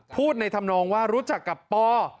พูดในธรรมนองว่ารู้จักกับปอ